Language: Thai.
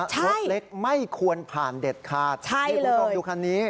รถเล็กไม่ควรผ่านเด็ดขาดที่คุณคงดูคันนี้